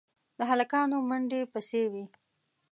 د هلکانو منډې پسې وې.